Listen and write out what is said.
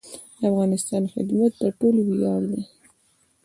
د افغانستان خدمت د ټولو ویاړ دی